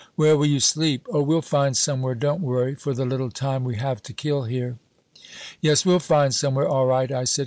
"'Where will you sleep?' "'Oh, we'll find somewhere, don't worry, for the little time we have to kill here.' "'Yes, we'll find somewhere, all right,' I said.